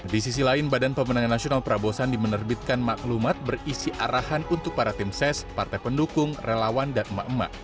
di sisi lain badan pemenangan nasional prabosan dimenerbitkan maklumat berisi arahan untuk para tim ses partai pendukung relawan dan mak mak